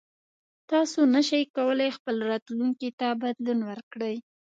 تاسو نشئ کولی خپل راتلونکي ته بدلون ورکړئ.